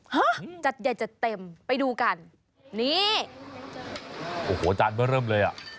ฮะจัดใหญ่จัดเต็มไปดูกันนี่โอ้โหอาจารย์เมื่อเริ่มเลยอ่ะ